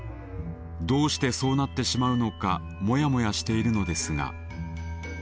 どうしてそうなってしまうのかモヤモヤしているのですが。